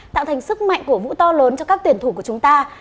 tạo thành sức mạnh cổ vũ to lớn cho các tuyển thủ của chúng ta